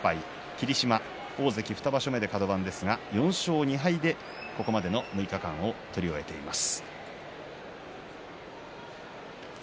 霧島、大関２場所目でカド番ですが４勝２敗でここまでの６日間を取り終えています。